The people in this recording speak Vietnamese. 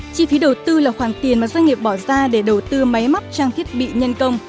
chi phí đầu tư là khoản tiền mà doanh nghiệp bỏ ra để đầu tư máy móc trang thiết bị nhân công